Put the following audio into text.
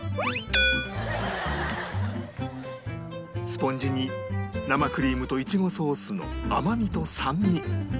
スポンジに生クリームとイチゴソースの甘みと酸味